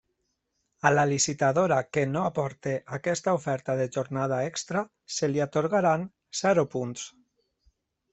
A la licitadora que no aporte aquesta oferta de jornada extra se li atorgaran zero punts.